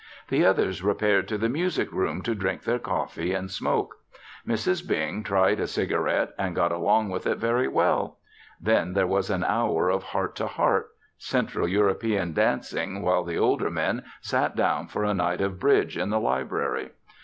The others repaired to the music room to drink their coffee and smoke. Mrs. Bing tried a cigarette and got along with it very well. Then there was an hour of heart to heart, central European dancing while the older men sat down for a night of bridge in the library.